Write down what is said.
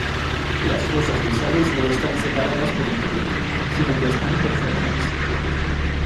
Las fosas nasales no están separadas por un tabique, sino que están perforadas.